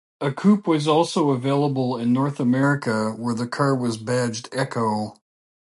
A coupe was also available in North America where the car was badged "Echo".